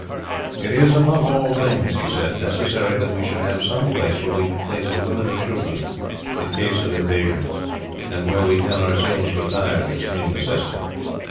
"It is, above all things," he said, "necessary that we should have some place where we can place the women and children in case of invasion and where we can ourselves retire in extreme necessity.